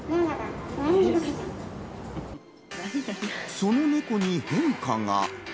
そのネコに変化が。